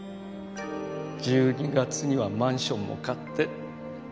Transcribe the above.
１２月にはマンションも買って。